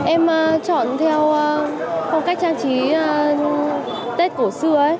em chọn theo phong cách trang trí tết cổ xưa